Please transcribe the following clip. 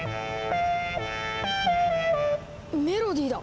メロディーだ！